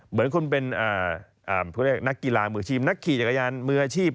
เหมือนคุณเป็นผู้เรียกนักกีฬามือทีมนักขี่จักรยานมืออาชีพ